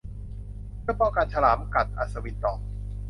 'เพื่อป้องกันฉลามกัด' อัศวินตอบ